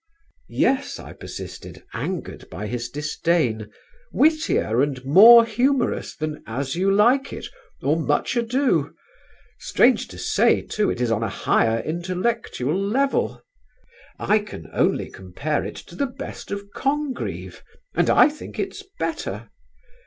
"Yes," I persisted, angered by his disdain, "wittier, and more humorous than 'As You Like It,' or 'Much Ado.' Strange to say, too, it is on a higher intellectual level. I can only compare it to the best of Congreve, and I think it's better."